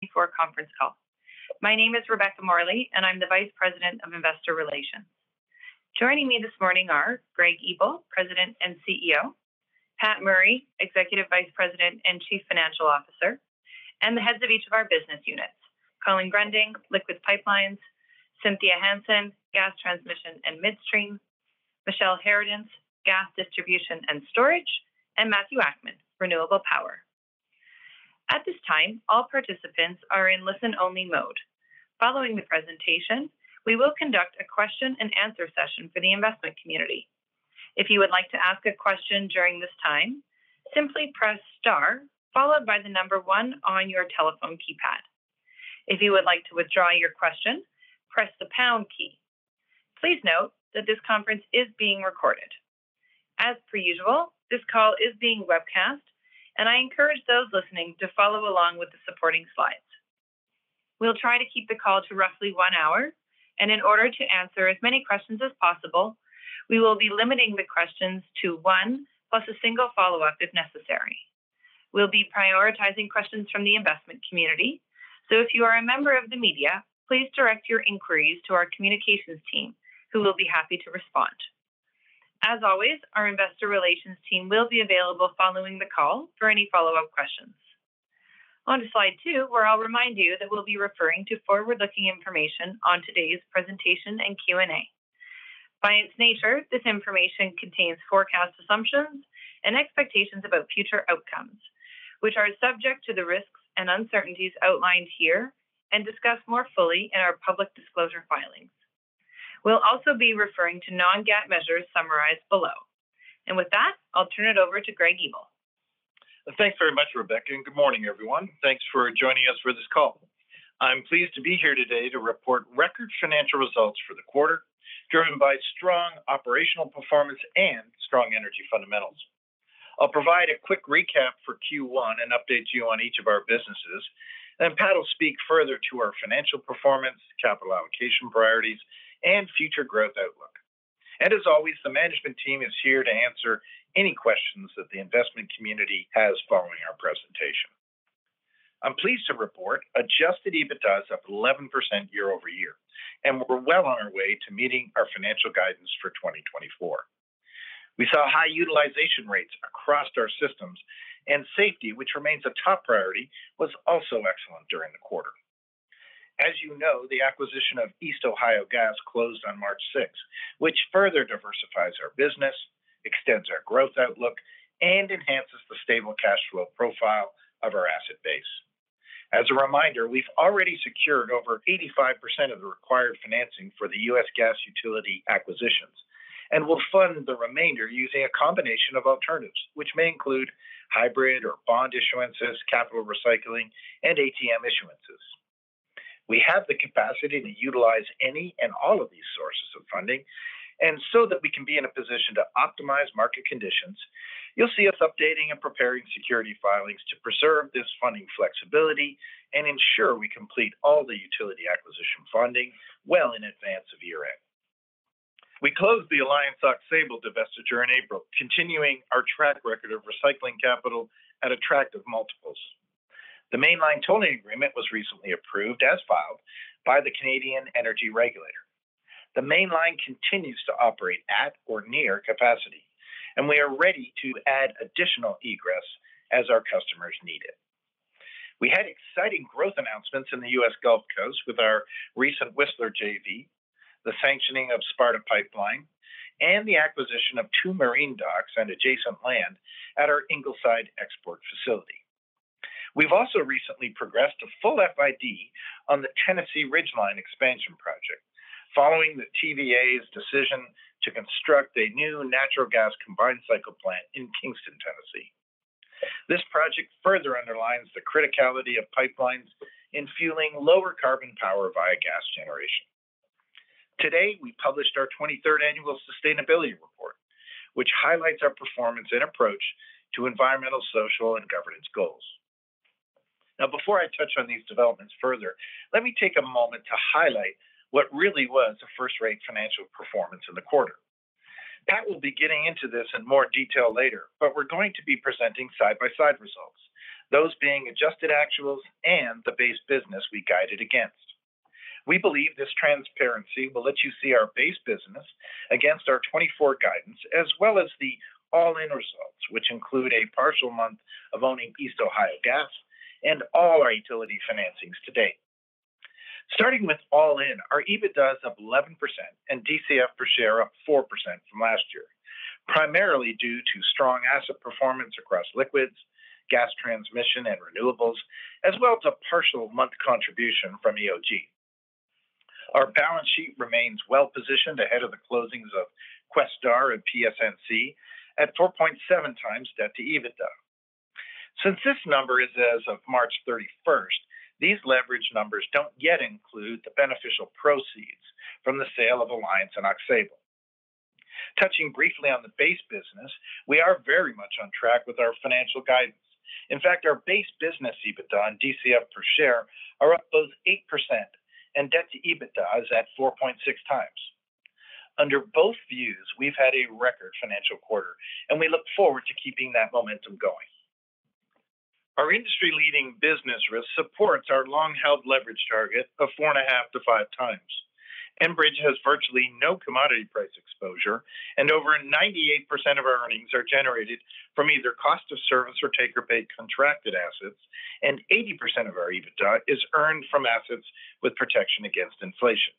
Before conference call. My name is Rebecca Morley, and I'm the Vice President of Investor Relations. Joining me this morning are Greg Ebel, President and CEO; Pat Murray, Executive Vice President and Chief Financial Officer; and the heads of each of our business units: Colin Gruending, Liquids Pipelines; Cynthia Hansen, Gas Transmission and Midstream; Michele Harradence, Gas Distribution and Storage; and Matthew Akman, Renewable Power. At this time, all participants are in listen-only mode. Following the presentation, we will conduct a question-and-answer session for the investment community. If you would like to ask a question during this time, simply press star followed by the number one on your telephone keypad. If you would like to withdraw your question, press the pound key. Please note that this conference is being recorded. As per usual, this call is being webcast, and I encourage those listening to follow along with the supporting slides. We'll try to keep the call to roughly one hour, and in order to answer as many questions as possible, we will be limiting the questions to one plus a single follow-up if necessary. We'll be prioritizing questions from the investment community, so if you are a member of the media, please direct your inquiries to our communications team, who will be happy to respond. As always, our investor relations team will be available following the call for any follow-up questions. On to slide two, where I'll remind you that we'll be referring to forward-looking information on today's presentation and Q&A. By its nature, this information contains forecast assumptions and expectations about future outcomes, which are subject to the risks and uncertainties outlined here and discussed more fully in our public disclosure filings. We'll also be referring to non-GAAP measures summarized below. With that, I'll turn it over to Greg Ebel. Thanks very much, Rebecca. Good morning, everyone. Thanks for joining us for this call. I'm pleased to be here today to report record financial results for the quarter, driven by strong operational performance and strong energy fundamentals. I'll provide a quick recap for Q1 and update you on each of our businesses, and then Pat'll speak further to our financial performance, capital allocation priorities, and future growth outlook. As always, the management team is here to answer any questions that the investment community has following our presentation. I'm pleased to report adjusted EBITDA is up 11% year-over-year, and we're well on our way to meeting our financial guidance for 2024. We saw high utilization rates across our systems, and safety, which remains a top priority, was also excellent during the quarter. As you know, the acquisition of East Ohio Gas closed on March 6, which further diversifies our business, extends our growth outlook, and enhances the stable cash flow profile of our asset base. As a reminder, we've already secured over 85% of the required financing for the U.S. gas utility acquisitions, and we'll fund the remainder using a combination of alternatives, which may include hybrid or bond issuances, capital recycling, and ATM issuances. We have the capacity to utilize any and all of these sources of funding, and so that we can be in a position to optimize market conditions, you'll see us updating and preparing security filings to preserve this funding flexibility and ensure we complete all the utility acquisition funding well in advance of year-end. We closed the Alliance and Aux Sable divestiture in April, continuing our track record of recycling capital at attractive multiples. The Mainline tolling agreement was recently approved, as filed, by the Canadian Energy Regulator. The Mainline continues to operate at or near capacity, and we are ready to add additional egress as our customers need it. We had exciting growth announcements in the U.S. Gulf Coast with our recent Whistler JV, the sanctioning of Sparta Pipeline, and the acquisition of two marine docks and adjacent land at our Ingleside export facility. We've also recently progressed to full FID on the Tennessee Ridgeline Expansion Project, following the TVA's decision to construct a new natural gas combined cycle plant in Kingston, Tennessee. This project further underlines the criticality of pipelines in fueling lower carbon power via gas generation. Today, we published our 23rd annual sustainability report, which highlights our performance and approach to environmental, social, and governance goals. Now, before I touch on these developments further, let me take a moment to highlight what really was the first-rate financial performance in the quarter. Pat will be getting into this in more detail later, but we're going to be presenting side-by-side results, those being adjusted actuals and the base business we guided against. We believe this transparency will let you see our base business against our 2024 guidance, as well as the all-in results, which include a partial month of owning East Ohio Gas and all our utility financings to date. Starting with all-in, our EBITDA is up 11% and DCF per share up 4% from last year, primarily due to strong asset performance across liquids, gas transmission, and renewables, as well as a partial month contribution from EOG. Our balance sheet remains well-positioned ahead of the closings of Questar and PSNC at 4.7 times debt to EBITDA. Since this number is as of March 31, these leveraged numbers don't yet include the beneficial proceeds from the sale of Alliance and Aux Sable. Touching briefly on the base business, we are very much on track with our financial guidance. In fact, our base business EBITDA and DCF per share are up both 8% and debt to EBITDA is at 4.6 times. Under both views, we've had a record financial quarter, and we look forward to keeping that momentum going. Our industry-leading business risk supports our long-held leverage target of 4.5-5 times. Enbridge has virtually no commodity price exposure, and over 98% of our earnings are generated from either cost of service or taker-paid contracted assets, and 80% of our EBITDA is earned from assets with protection against inflation.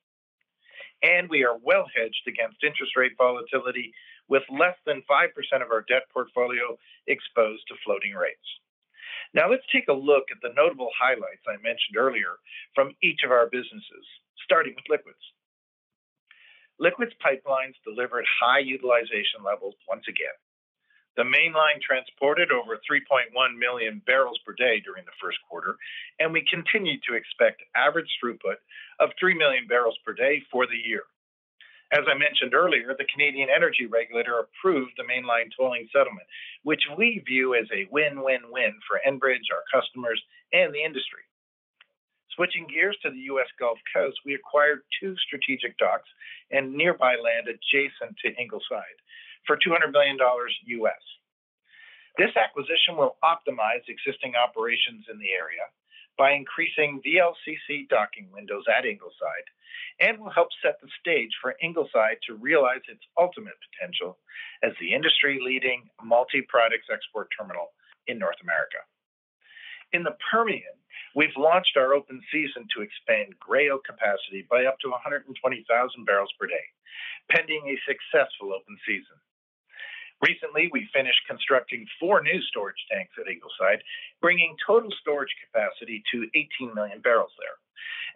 We are well hedged against interest rate volatility, with less than 5% of our debt portfolio exposed to floating rates. Now, let's take a look at the notable highlights I mentioned earlier from each of our businesses, starting with liquids. Liquids Pipelines delivered high utilization levels once again. The Mainline transported over 3.1 million barrels per day during the first quarter, and we continue to expect average throughput of 3 million barrels per day for the year. As I mentioned earlier, the Canadian Energy Regulator approved the Mainline tolling settlement, which we view as a win-win-win for Enbridge, our customers, and the industry. Switching gears to the U.S. Gulf Coast, we acquired two strategic docks and nearby land adjacent to Ingleside for $200 million. This acquisition will optimize existing operations in the area by increasing VLCC docking windows at Ingleside and will help set the stage for Ingleside to realize its ultimate potential as the industry-leading multi-products export terminal in North America. In the Permian, we've launched our open season to expand Gray Oak capacity by up to 120,000 barrels per day, pending a successful open season. Recently, we finished constructing four new storage tanks at Ingleside, bringing total storage capacity to 18 million barrels there.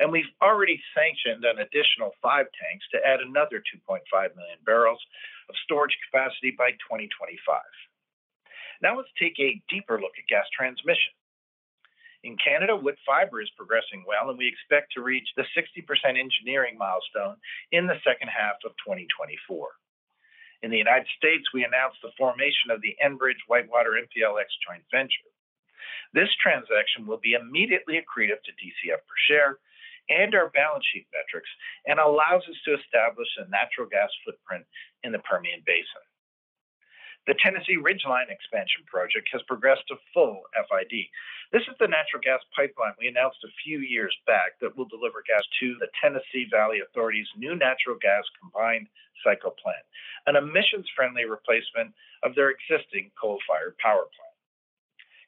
We've already sanctioned an additional five tanks to add another 2.5 million barrels of storage capacity by 2025. Now, let's take a deeper look at gas transmission. In Canada, Woodfibre is progressing well, and we expect to reach the 60% engineering milestone in the second half of 2024. In the United States, we announced the formation of the Enbridge WhiteWater MPLX joint venture. This transaction will be immediately accretive to DCF per share and our balance sheet metrics and allows us to establish a natural gas footprint in the Permian Basin. The Tennessee Ridgeline Expansion Project has progressed to full FID. This is the natural gas pipeline we announced a few years back that will deliver gas to the Tennessee Valley Authority's new natural gas combined cycle plant, an emissions-friendly replacement of their existing coal-fired power plant.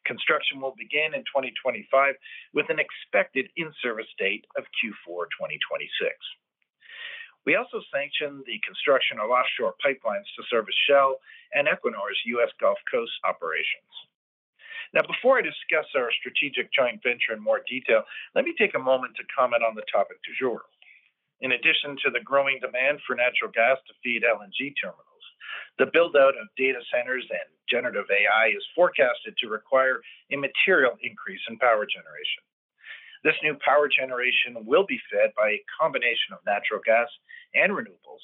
Construction will begin in 2025 with an expected in-service date of Q4 2026. We also sanctioned the construction of offshore pipelines to service Shell and Equinor's U.S. Gulf Coast operations. Now, before I discuss our strategic joint venture in more detail, let me take a moment to comment on the topic du jour. In addition to the growing demand for natural gas to feed LNG terminals, the buildout of data centers and generative AI is forecasted to require a material increase in power generation. This new power generation will be fed by a combination of natural gas and renewables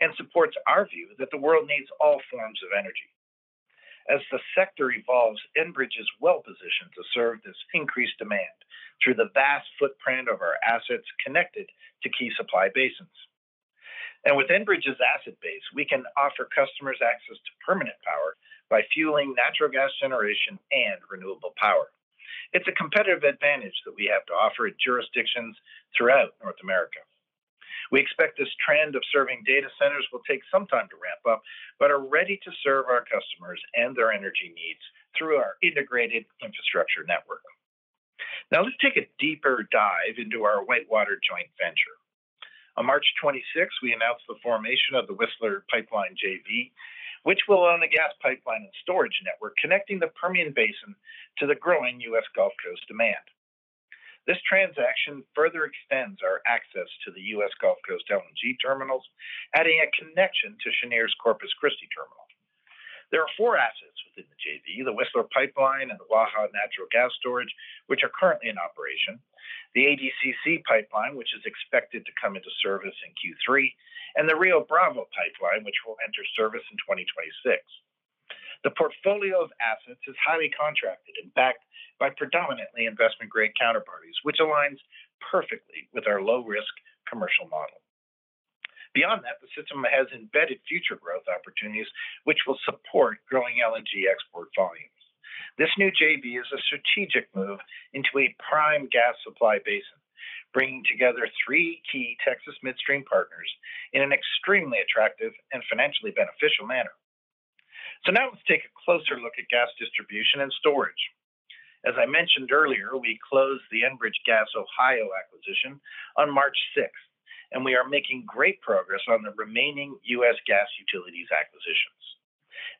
and supports our view that the world needs all forms of energy. As the sector evolves, Enbridge is well-positioned to serve this increased demand through the vast footprint of our assets connected to key supply basins. With Enbridge's asset base, we can offer customers access to permanent power by fueling natural gas generation and renewable power. It's a competitive advantage that we have to offer at jurisdictions throughout North America. We expect this trend of serving data centers will take some time to ramp up, but are ready to serve our customers and their energy needs through our integrated infrastructure network. Now, let's take a deeper dive into our WhiteWater joint venture. On March 26, we announced the formation of the Whistler Pipeline JV, which will own a gas pipeline and storage network connecting the Permian Basin to the growing U.S. Gulf Coast demand. This transaction further extends our access to the U.S. Gulf Coast LNG terminals, adding a connection to Cheniere's Corpus Christi terminal. There are four assets within the JV: the Whistler Pipeline and the Waha Natural Gas Storage, which are currently in operation. The ADCC Pipeline, which is expected to come into service in Q3. And the Rio Bravo Pipeline, which will enter service in 2026. The portfolio of assets is highly contracted, in fact, by predominantly investment-grade counterparties, which aligns perfectly with our low-risk commercial model. Beyond that, the system has embedded future growth opportunities, which will support growing LNG export volumes. This new JV is a strategic move into a prime gas supply basin, bringing together three key Texas midstream partners in an extremely attractive and financially beneficial manner. Now, let's take a closer look at gas distribution and storage. As I mentioned earlier, we closed the Enbridge Gas Ohio acquisition on March 6, and we are making great progress on the remaining U.S. gas utilities acquisitions.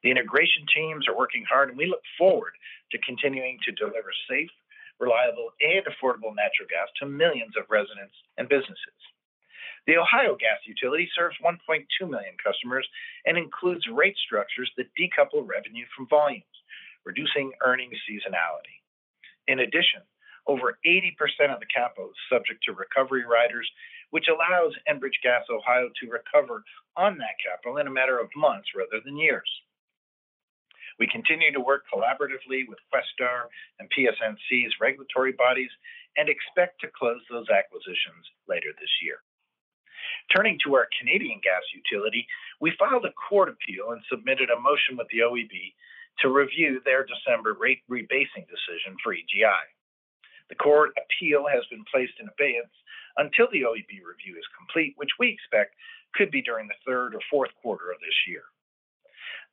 The integration teams are working hard, and we look forward to continuing to deliver safe, reliable, and affordable natural gas to millions of residents and businesses. The Ohio Gas utility serves 1.2 million customers and includes rate structures that decouple revenue from volumes, reducing earnings seasonality. In addition, over 80% of the capital is subject to recovery riders, which allows Enbridge Gas Ohio to recover on that capital in a matter of months rather than years. We continue to work collaboratively with Questar and PSNC's regulatory bodies and expect to close those acquisitions later this year. Turning to our Canadian gas utility, we filed a court appeal and submitted a motion with the OEB to review their December rate rebasing decision for EGI. The court appeal has been placed in abeyance until the OEB review is complete, which we expect could be during the third or fourth quarter of this year.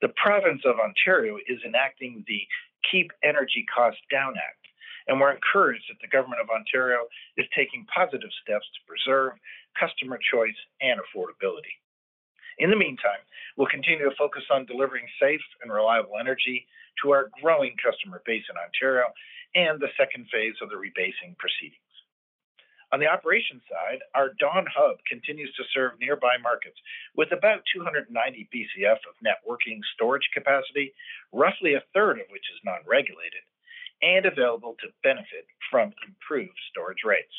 The province of Ontario is enacting the Keeping Energy Costs Down Act, and we're encouraged that the Government of Ontario is taking positive steps to preserve customer choice and affordability. In the meantime, we'll continue to focus on delivering safe and reliable energy to our growing customer base in Ontario and the second phase of the rebasing proceedings. On the operations side, our Dawn Hub continues to serve nearby markets with about 290 BCF of networking storage capacity, roughly a third of which is non-regulated, and available to benefit from improved storage rates.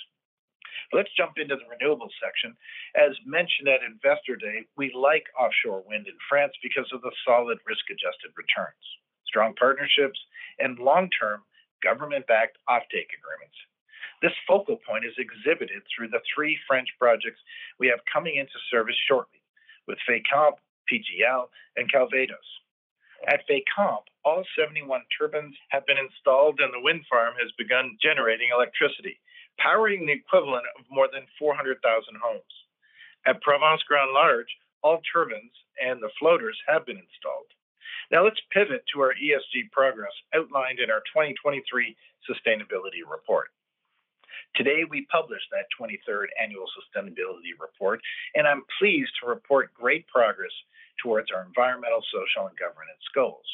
Let's jump into the renewables section. As mentioned at Investor Day, we like offshore wind in France because of the solid risk-adjusted returns, strong partnerships, and long-term government-backed offtake agreements. This focal point is exhibited through the three French projects we have coming into service shortly with Fécamp, PGL, and Calvados. At Fécamp, all 71 turbines have been installed, and the wind farm has begun generating electricity, powering the equivalent of more than 400,000 homes. At Provence-Grand Large, all turbines and the floaters have been installed. Now, let's pivot to our ESG progress outlined in our 2023 sustainability report. Today, we published that 23rd annual sustainability report, and I'm pleased to report great progress towards our environmental, social, and governance goals.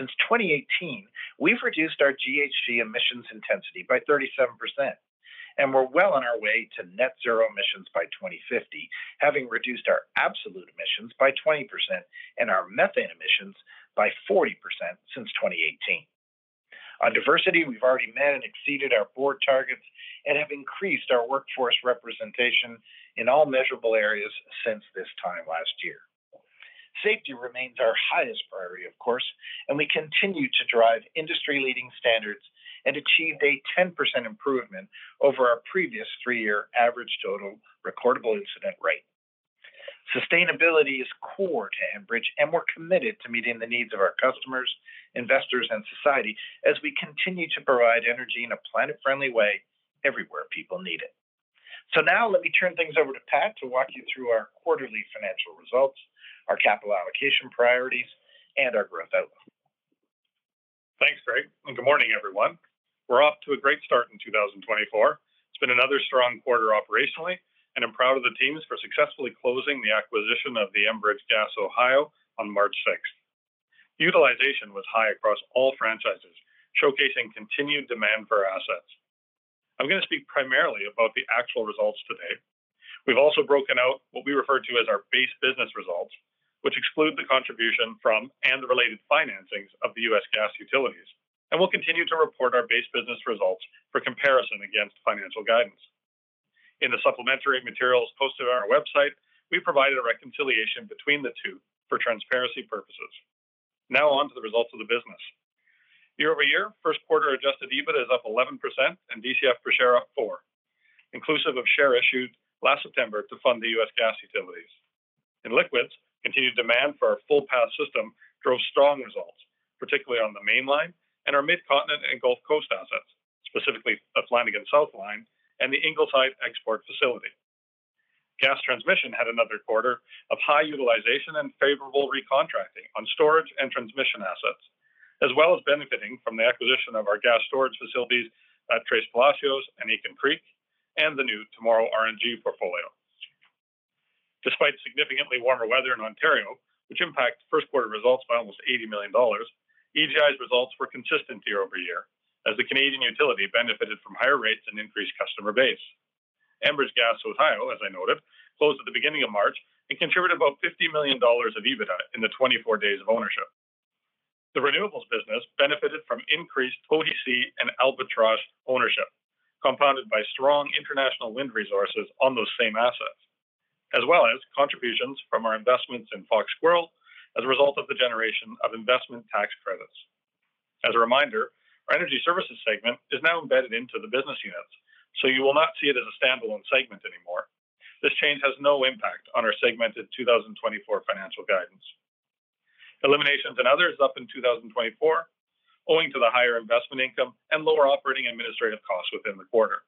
Since 2018, we've reduced our GHG emissions intensity by 37%, and we're well on our way to net-zero emissions by 2050, having reduced our absolute emissions by 20% and our methane emissions by 40% since 2018. On diversity, we've already met and exceeded our board targets and have increased our workforce representation in all measurable areas since this time last year. Safety remains our highest priority, of course, and we continue to drive industry-leading standards and achieved a 10% improvement over our previous three-year average total recordable incident rate. Sustainability is core to Enbridge, and we're committed to meeting the needs of our customers, investors, and society as we continue to provide energy in a planet-friendly way everywhere people need it. So now, let me turn things over to Pat to walk you through our quarterly financial results, our capital allocation priorities, and our growth outlook. Thanks, Greg, and good morning, everyone. We're off to a great start in 2024. It's been another strong quarter operationally, and I'm proud of the teams for successfully closing the acquisition of the Enbridge Gas Ohio on March 6. Utilization was high across all franchises, showcasing continued demand for our assets. I'm going to speak primarily about the actual results today. We've also broken out what we refer to as our base business results, which exclude the contribution from and the related financings of the U.S. gas utilities, and we'll continue to report our base business results for comparison against financial guidance. In the supplementary materials posted on our website, we provided a reconciliation between the two for transparency purposes. Now, on to the results of the business. Year-over-year, first quarter adjusted EBITDA is up 11% and DCF per share up 4%, inclusive of shares issued last September to fund the U.S. gas utilities. In liquids, continued demand for our full path system drove strong results, particularly on the Mainline and our mid-continent and Gulf Coast assets, specifically the Flanagan South Line and the Ingleside export facility. Gas transmission had another quarter of high utilization and favorable recontracting on storage and transmission assets, as well as benefiting from the acquisition of our gas storage facilities at Tres Palacios and Aitken Creek and the new Morrow RNG portfolio. Despite significantly warmer weather in Ontario, which impacted first quarter results by almost 80 million dollars, EGI's results were consistent year-over-year as the Canadian utility benefited from higher rates and increased customer base. Enbridge Gas Ohio, as I noted, closed at the beginning of March and contributed about $50 million of EBITDA in the 24 days of ownership. The renewables business benefited from increased Hohe See and Albatros ownership compounded by strong international wind resources on those same assets, as well as contributions from our investments in Fox Squirrel as a result of the generation of investment tax credits. As a reminder, our energy services segment is now embedded into the business units, so you will not see it as a standalone segment anymore. This change has no impact on our segmented 2024 financial guidance. Eliminations and others up in 2024 owing to the higher investment income and lower operating administrative costs within the quarter.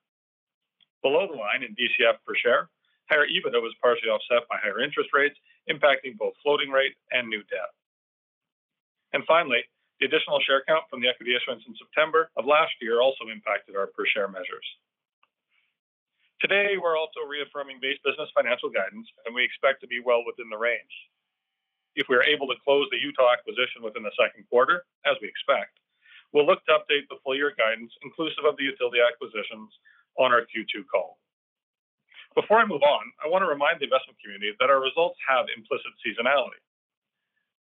Below the line in DCF per share, higher EBITDA was partially offset by higher interest rates impacting both floating rate and new debt. Finally, the additional share count from the equity issuance in September of last year also impacted our per share measures. Today, we're also reaffirming base business financial guidance, and we expect to be well within the range. If we are able to close the Utah acquisition within the second quarter, as we expect, we'll look to update the full-year guidance inclusive of the utility acquisitions on our Q2 call. Before I move on, I want to remind the investment community that our results have implicit seasonality.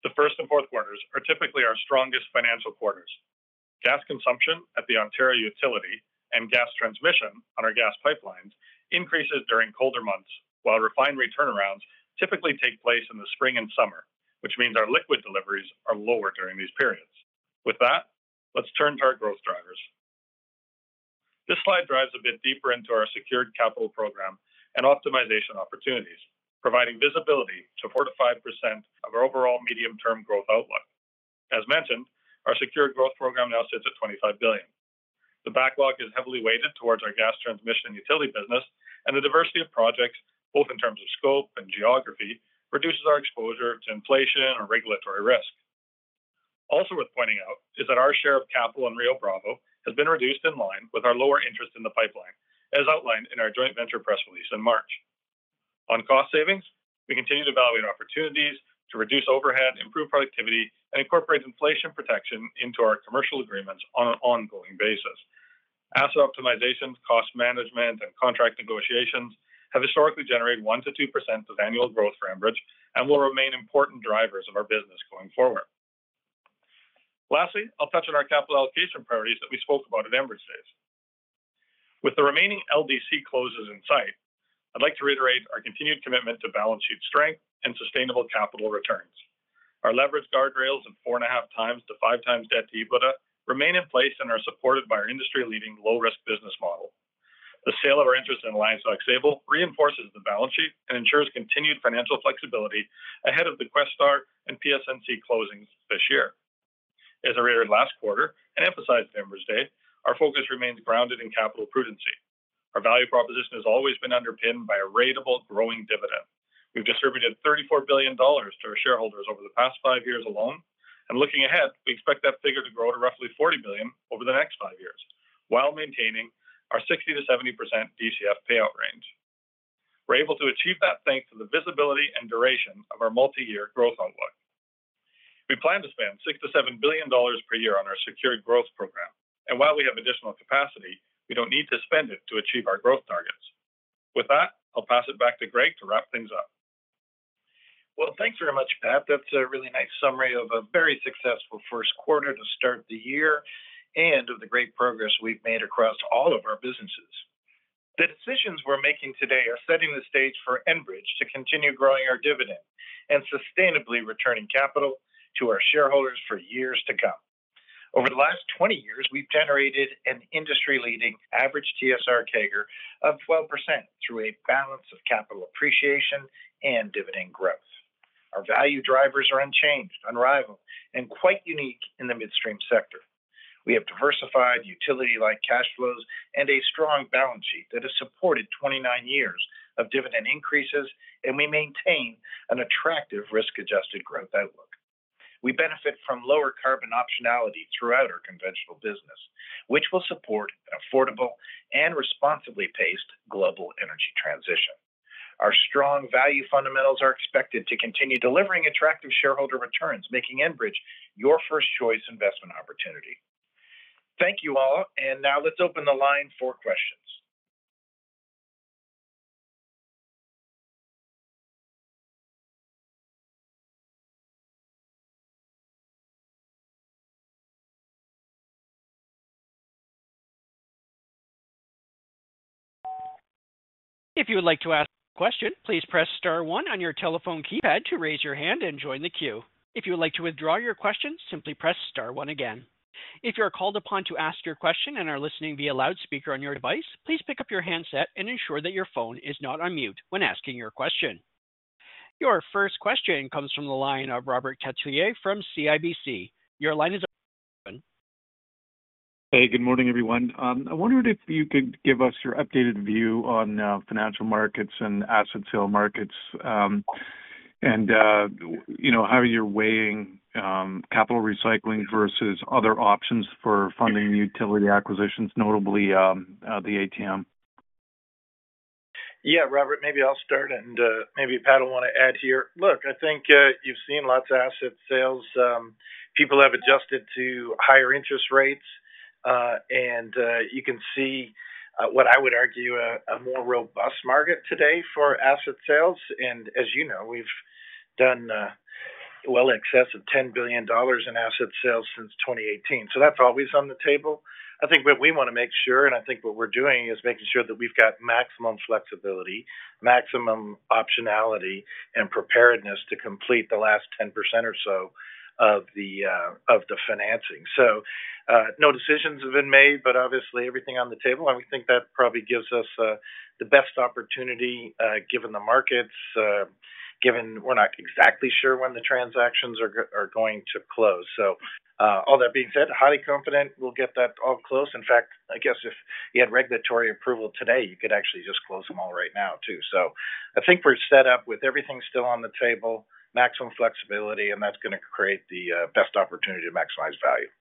The first and fourth quarters are typically our strongest financial quarters. Gas consumption at the Ontario utility and gas transmission on our gas pipelines increases during colder months, while refinery turnarounds typically take place in the spring and summer, which means our liquids deliveries are lower during these periods. With that, let's turn to our growth drivers. This slide drives a bit deeper into our secured capital program and optimization opportunities, providing visibility to 45% of our overall medium-term growth outlook. As mentioned, our secured growth program now sits at $25 billion. The backlog is heavily weighted towards our gas transmission utility business, and the diversity of projects, both in terms of scope and geography, reduces our exposure to inflation or regulatory risk. Also worth pointing out is that our share of capital in Rio Bravo has been reduced in line with our lower interest in the pipeline, as outlined in our joint venture press release in March. On cost savings, we continue to evaluate opportunities to reduce overhead, improve productivity, and incorporate inflation protection into our commercial agreements on an ongoing basis. Asset optimization, cost management, and contract negotiations have historically generated 1%-2% of annual growth for Enbridge and will remain important drivers of our business going forward. Lastly, I'll touch on our capital allocation priorities that we spoke about at Enbridge Days. With the remaining LDC closes in sight, I'd like to reiterate our continued commitment to balance sheet strength and sustainable capital returns. Our leverage guardrails of 4.5x to 5x debt to EBITDA remain in place and are supported by our industry-leading low-risk business model. The sale of our interest in Aux Sable reinforces the balance sheet and ensures continued financial flexibility ahead of the Questar and PSNC closings this year. As I reiterated last quarter and emphasized at Enbridge Day, our focus remains grounded in capital prudency. Our value proposition has always been underpinned by a ratable growing dividend. We've distributed 34 billion dollars to our shareholders over the past five years alone, and looking ahead, we expect that figure to grow to roughly 40 billion over the next five years while maintaining our 60%-70% DCF payout range. We're able to achieve that thanks to the visibility and duration of our multi-year growth outlook. We plan to spend 6 billion-7 billion dollars per year on our secured growth program, and while we have additional capacity, we don't need to spend it to achieve our growth targets. With that, I'll pass it back to Greg to wrap things up. Well, thanks very much, Pat. That's a really nice summary of a very successful first quarter to start the year and of the great progress we've made across all of our businesses. The decisions we're making today are setting the stage for Enbridge to continue growing our dividend and sustainably returning capital to our shareholders for years to come. Over the last 20 years, we've generated an industry-leading average TSR CAGR of 12% through a balance of capital appreciation and dividend growth. Our value drivers are unchanged, unrivaled, and quite unique in the midstream sector. We have diversified utility-like cash flows and a strong balance sheet that has supported 29 years of dividend increases, and we maintain an attractive risk-adjusted growth outlook. We benefit from lower carbon optionality throughout our conventional business, which will support an affordable and responsibly paced global energy transition. Our strong value fundamentals are expected to continue delivering attractive shareholder returns, making Enbridge your first choice investment opportunity. Thank you all, and now let's open the line for questions. If you would like to ask a question, please press star one on your telephone keypad to raise your hand and join the queue. If you would like to withdraw your question, simply press star one again. If you are called upon to ask your question and are listening via loudspeaker on your device, please pick up your handset and ensure that your phone is not unmuted when asking your question. Your first question comes from the line of Robert Catellier from CIBC. Your line is open. Hey, good morning, everyone. I wondered if you could give us your updated view on financial markets and asset sale markets and how you're weighing capital recycling versus other options for funding utility acquisitions, notably the ATM? Yeah, Robert, maybe I'll start, and maybe Pat will want to add here. Look, I think you've seen lots of asset sales. People have adjusted to higher interest rates, and you can see what I would argue a more robust market today for asset sales. And as you know, we've done well in excess of $10 billion in asset sales since 2018, so that's always on the table. I think what we want to make sure, and I think what we're doing is making sure that we've got maximum flexibility, maximum optionality, and preparedness to complete the last 10% or so of the financing. So no decisions have been made, but obviously everything's on the table, and we think that probably gives us the best opportunity given the markets, given we're not exactly sure when the transactions are going to close. All that being said, highly confident we'll get that all closed. In fact, I guess if you had regulatory approval today, you could actually just close them all right now too. I think we're set up with everything still on the table, maximum flexibility, and that's going to create the best opportunity to maximize value.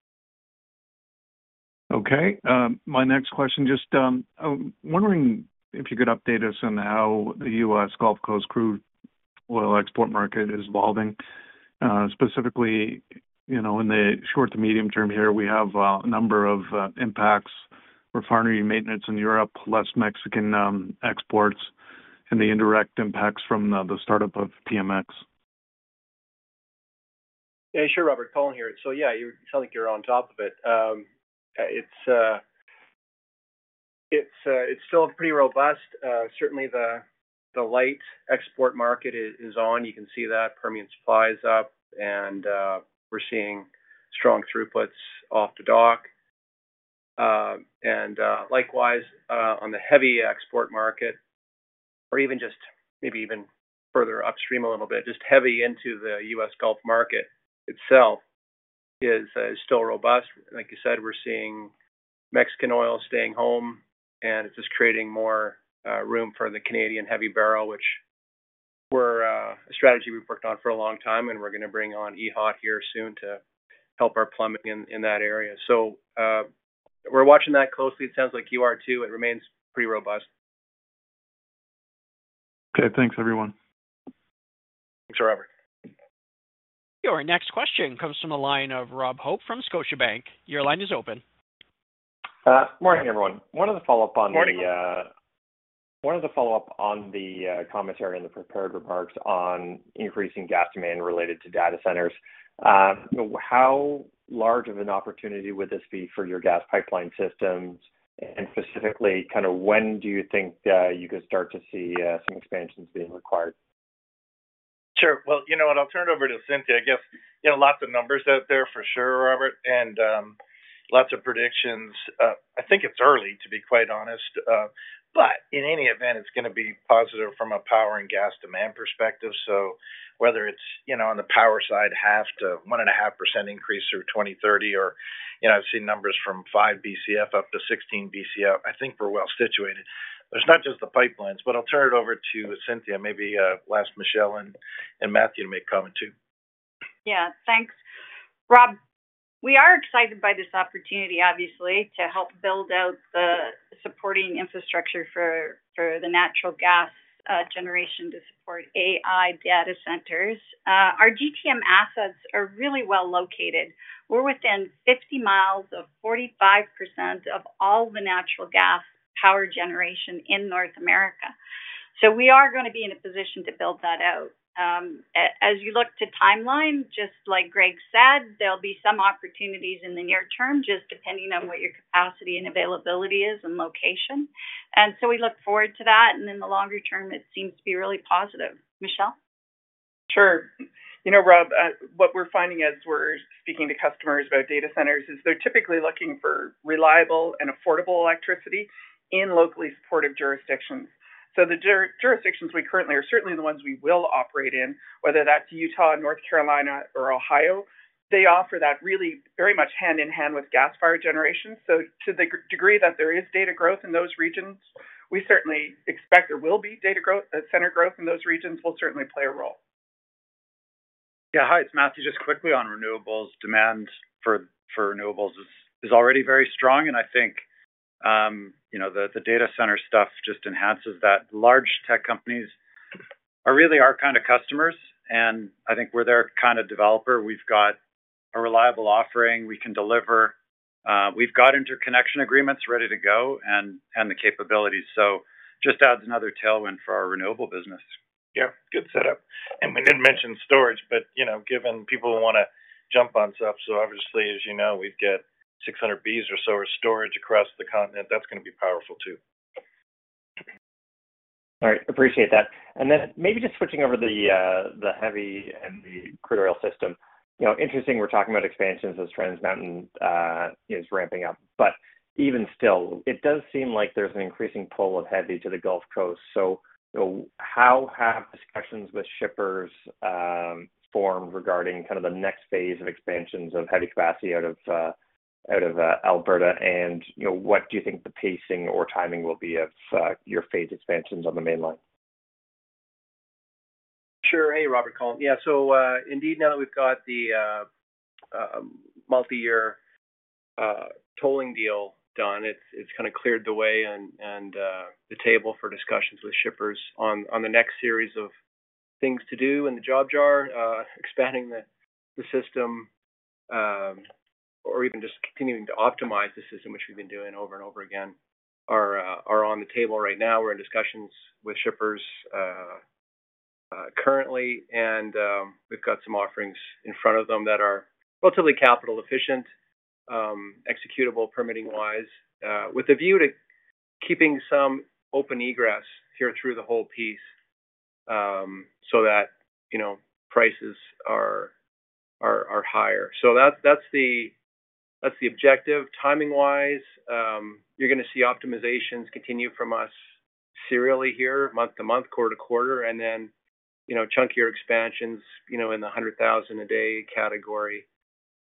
Okay. My next question, just wondering if you could update us on how the U.S. Gulf Coast crude oil export market is evolving. Specifically, in the short to medium term here, we have a number of impacts: refinery maintenance in Europe, less Mexican exports, and the indirect impacts from the startup of TMX. Yeah, sure, Robert, Colin here. So yeah, it sounds like you're on top of it. It's still pretty robust. Certainly, the light export market is on. You can see that Permian supply's up, and we're seeing strong throughputs off the dock. And likewise, on the heavy export market, or even just maybe even further upstream a little bit, just heavy into the U.S. Gulf market itself is still robust. Like you said, we're seeing Mexican oil staying home, and it's just creating more room for the Canadian heavy barrel, which is a strategy we've worked on for a long time, and we're going to bring on EHOT here soon to help our plumbing in that area. So we're watching that closely. It sounds like you are too. It remains pretty robust. Okay. Thanks, everyone. Thanks, Robert. Your next question comes from the line of Rob Hope from Scotiabank. Your line is open. Morning, everyone. One follow-up on the commentary and the prepared remarks on increasing gas demand related to data centers. How large of an opportunity would this be for your gas pipeline systems, and specifically, kind of when do you think you could start to see some expansions being required? Sure. Well, you know what? I'll turn it over to Cynthia. I guess lots of numbers out there for sure, Robert, and lots of predictions. I think it's early, to be quite honest. But in any event, it's going to be positive from a power and gas demand perspective. So whether it's on the power side, 0.5%-1.5% increase through 2030, or I've seen numbers from 5 BCF-16 BCF, I think we're well situated. There's not just the pipelines, but I'll turn it over to Cynthia. Maybe I'll ask Michele and Matthew to make a comment too. Yeah, thanks. Rob, we are excited by this opportunity, obviously, to help build out the supporting infrastructure for the natural gas generation to support AI data centers. Our GTM assets are really well located. We're within 50 miles of 45% of all the natural gas power generation in North America. So we are going to be in a position to build that out. As you look to timeline, just like Greg said, there'll be some opportunities in the near term, just depending on what your capacity and availability is and location. And in the longer term, it seems to be really positive. Michele? Sure. You know, Rob, what we're finding as we're speaking to customers about data centers is they're typically looking for reliable and affordable electricity in locally supportive jurisdictions. So the jurisdictions we currently are certainly the ones we will operate in, whether that's Utah, North Carolina, or Ohio, they offer that really very much hand in hand with gas-fired generation. So to the degree that there is data growth in those regions, we certainly expect there will be data growth. Center growth in those regions will certainly play a role. Yeah, hi, it's Matthew. Just quickly on renewables, demand for renewables is already very strong, and I think the data center stuff just enhances that. Large tech companies really are kind of customers, and I think we're their kind of developer. We've got a reliable offering. We can deliver. We've got interconnection agreements ready to go and the capabilities. So just adds another tailwind for our renewable business. Yeah, good setup. We didn't mention storage, but given people want to jump on stuff, so obviously, as you know, we've got 600 Bcf or so of storage across the continent. That's going to be powerful too. All right, appreciate that. Then maybe just switching over to the heavy and the critical system. Interesting, we're talking about expansions as Trans Mountain is ramping up, but even still, it does seem like there's an increasing pull of heavy to the Gulf Coast. So how have discussions with shippers formed regarding kind of the next phase of expansions of heavy capacity out of Alberta, and what do you think the pacing or timing will be of your phase expansions on the Mainline? Sure. Hey, Robert, Colin. Yeah, so indeed, now that we've got the multi-year tolling deal done, it's kind of cleared the way and the table for discussions with shippers on the next series of things to do in the job jar, expanding the system, or even just continuing to optimize the system, which we've been doing over and over again, are on the table right now. We're in discussions with shippers currently, and we've got some offerings in front of them that are relatively capital-efficient, executable permitting-wise, with a view to keeping some open egress here through the whole piece so that prices are higher. So that's the objective. Timing-wise, you're going to see optimizations continue from us serially here, month to month, quarter to quarter, and then chunkier expansions in the 100,000 a day category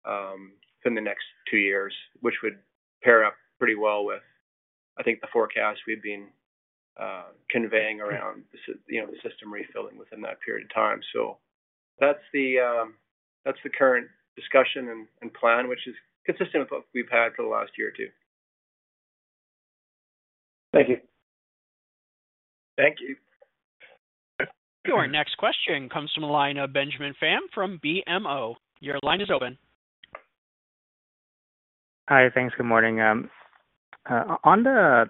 within the next two years, which would pair up pretty well with, I think, the forecast we've been conveying around the system refilling within that period of time. So that's the current discussion and plan, which is consistent with what we've had for the last year or two. Thank you. Thank you. Your next question comes from the line of Benjamin Pham from BMO. Your line is open. Hi, thanks. Good morning. On the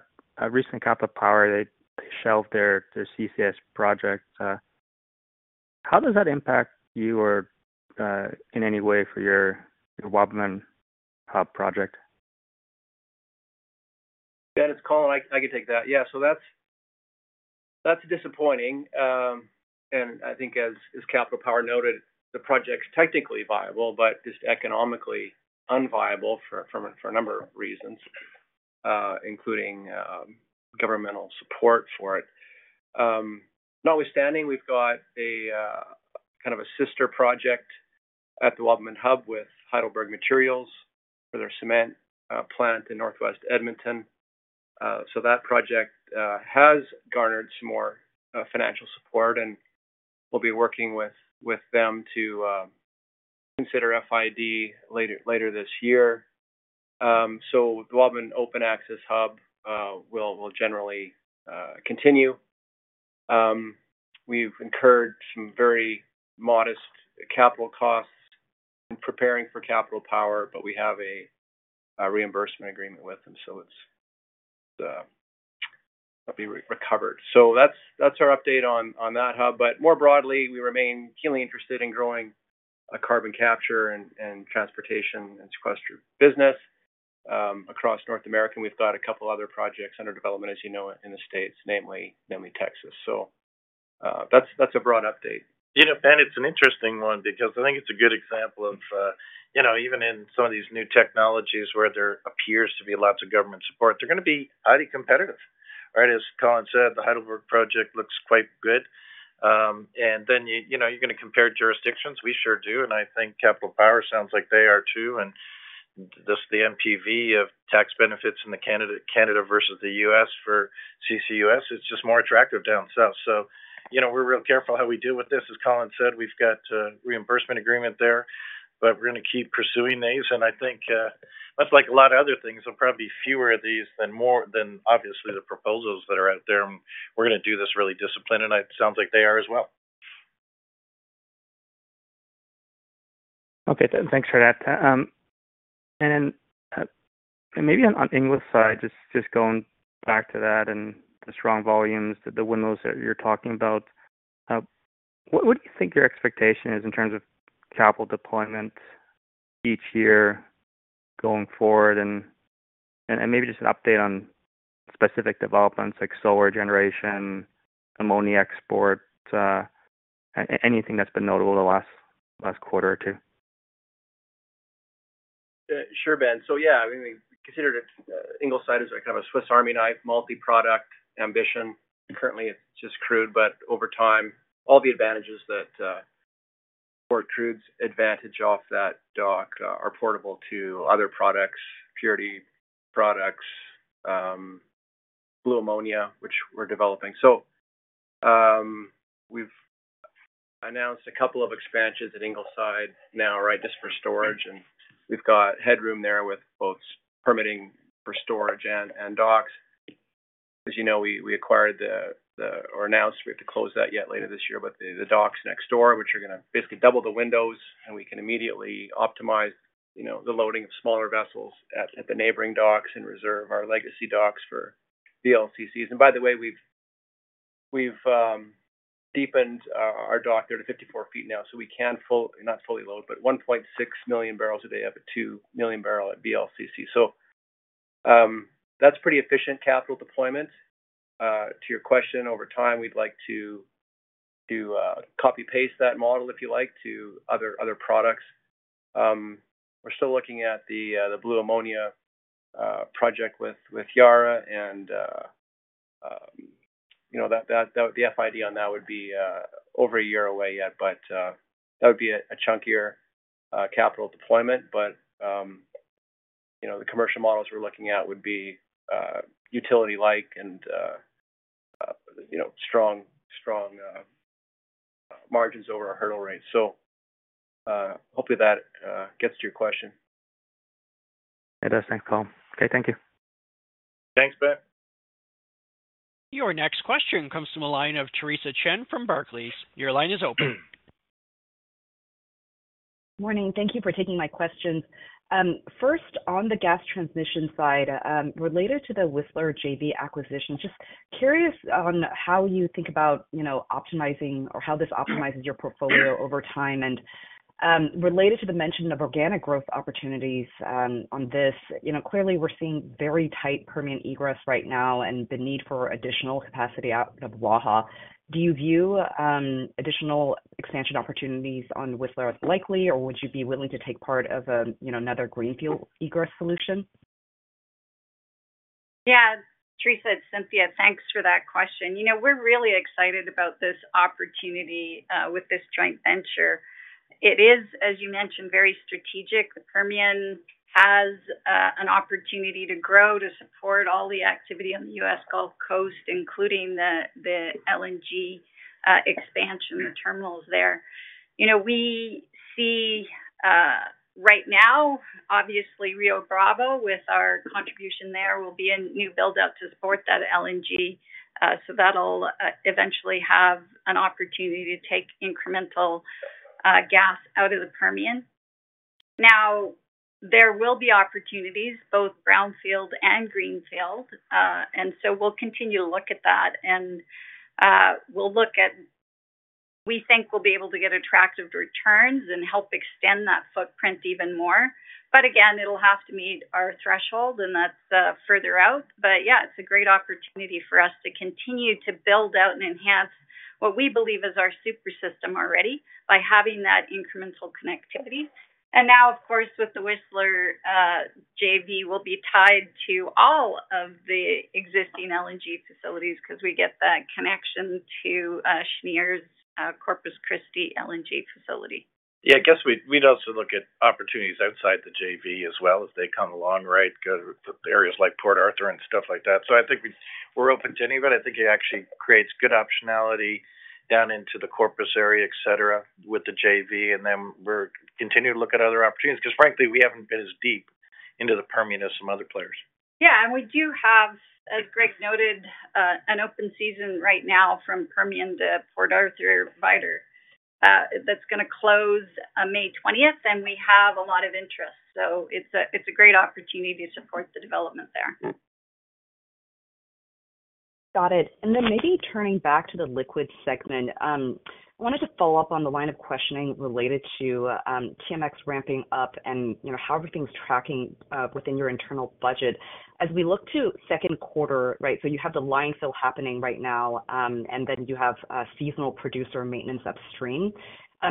recent Capital Power, they shelved their CCS project. How does that impact you in any way for your Wabamun Hub project? Yeah, it's Colin. I can take that. Yeah, so that's disappointing. And I think, as Capital Power noted, the project's technically viable, but just economically unviable for a number of reasons, including governmental support for it. Notwithstanding, we've got kind of a sister project at the Wabamun Hub with Heidelberg Materials for their cement plant in Northwest Edmonton. So that project has garnered some more financial support, and we'll be working with them to consider FID later this year. So the Wabamun Open Access Hub will generally continue. We've incurred some very modest capital costs in preparing for Capital Power, but we have a reimbursement agreement with them, so it'll be recovered. So that's our update on that hub. But more broadly, we remain keenly interested in growing carbon capture and transportation and sequestration business across North America. We've got a couple of other projects under development, as you know, in the States, namely Texas. So that's a broad update. You know, Ben, it's an interesting one because I think it's a good example of even in some of these new technologies where there appears to be lots of government support, they're going to be highly competitive. Right? As Colin said, the Heidelberg project looks quite good. And then you're going to compare jurisdictions. We sure do. And I think Capital Power sounds like they are too. And just the NPV of tax benefits in Canada versus the U.S. for CCUS, it's just more attractive down south. So we're real careful how we deal with this. As Colin said, we've got a reimbursement agreement there, but we're going to keep pursuing these. I think, much like a lot of other things, there'll probably be fewer of these than obviously the proposals that are out there. We're going to do this really disciplined, and it sounds like they are as well. Okay, thanks for that. Then maybe on the Ingleside side, just going back to that and the strong volumes, the windows that you're talking about, what do you think your expectation is in terms of capital deployment each year going forward? And maybe just an update on specific developments like solar generation, ammonia export, anything that's been notable the last quarter or two. Sure, Ben. So yeah, I mean, we considered it Ingleside as kind of a Swiss Army knife, multi-product ambition. Currently, it's just crude, but over time, all the advantages that or crude's advantage off that dock are portable to other products, purity products, blue ammonia, which we're developing. So we've announced a couple of expansions at Ingleside now, right, just for storage. And we've got headroom there with both permitting for storage and docks. As you know, we acquired the or announced we have to close that yet later this year, but the docks next door, which are going to basically double the windows, and we can immediately optimize the loading of smaller vessels at the neighboring docks and reserve our legacy docks for VLCCs. And by the way, we've deepened our dock there to 54 feet now, so we can not fully load, but 1.6 million barrels a day up at 2 million barrels at VLCC. So that's pretty efficient capital deployment. To your question, over time, we'd like to copy-paste that model, if you like, to other products. We're still looking at the blue ammonia project with Yara, and the FID on that would be over a year away yet, but that would be a chunkier capital deployment. But the commercial models we're looking at would be utility-like and strong margins over our hurdle rate. So hopefully, that gets to your question. It does. Thanks, Colin. Okay, thank you. Thanks, Ben. Your next question comes from the line of Theresa Chen from Barclays. Your line is open. Morning. Thank you for taking my questions. First, on the gas transmission side, related to the Whistler JV acquisition, just curious on how you think about optimizing or how this optimizes your portfolio over time. And related to the mention of organic growth opportunities on this, clearly, we're seeing very tight Permian egress right now and the need for additional capacity out of Waha. Do you view additional expansion opportunities on Whistler as likely, or would you be willing to take part of another greenfield egress solution? Yeah, Theresa and Cynthia, thanks for that question. We're really excited about this opportunity with this joint venture. It is, as you mentioned, very strategic. The Permian has an opportunity to grow to support all the activity on the U.S. Gulf Coast, including the LNG expansion, the terminals there. We see right now, obviously, Rio Bravo with our contribution there will be a new build-out to support that LNG. So that'll eventually have an opportunity to take incremental gas out of the Permian. Now, there will be opportunities, both brownfield and greenfield. And so we'll continue to look at that. And we'll look at we think we'll be able to get attractive returns and help extend that footprint even more. But again, it'll have to meet our threshold, and that's further out. But yeah, it's a great opportunity for us to continue to build out and enhance what we believe is our super system already by having that incremental connectivity. And now, of course, with the Whistler JV, we'll be tied to all of the existing LNG facilities because we get that connection to Cheniere's Corpus Christi LNG facility. Yeah, I guess we'd also look at opportunities outside the JV as well as they come along, right, go to areas like Port Arthur and stuff like that. So I think we're open to anybody. I think it actually creates good optionality down into the Corpus area, etc., with the JV. And then we'll continue to look at other opportunities because, frankly, we haven't been as deep into the Permian as some other players. Yeah, and we do have, as Greg noted, an open season right now from Permian to Port Arthur. Process that's going to close May 20th, and we have a lot of interest. So it's a great opportunity to support the development there. Got it. And then maybe turning back to the liquids segment, I wanted to follow up on the line of questioning related to TMX ramping up and how everything's tracking within your internal budget. As we look to second quarter, right, so you have the line fill happening right now, and then you have seasonal producer maintenance upstream.